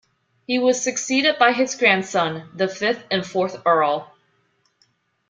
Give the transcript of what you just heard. He was succeeded by his grandson, the fifth and fourth Earl.